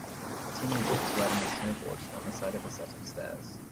A teenager is riding a snowboard down the side of a set of stairs.